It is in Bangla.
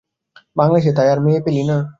বাংলাদেশে তাই আর মেয়ে পেলি না?